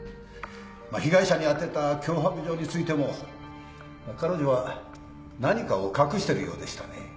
被害者に宛てた脅迫状についても彼女は何かを隠してるようでしたね。